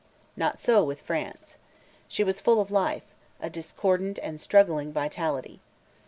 Not so with France. She was full of life, a discordant and struggling vitality.